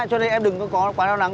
cho nên em đừng có quá lo lắng